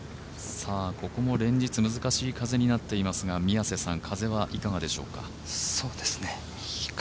ここも連日難しい風になっていますが、風はいかがでしょうか。